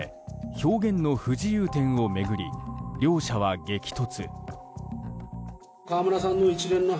「表現の不自由展」を巡り両者は激突。